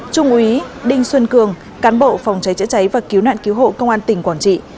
trung úy đinh xuân cường cán bộ phòng cháy chữa cháy và cứu nạn cứu hộ công an tỉnh quảng trị